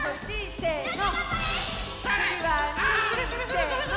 せの！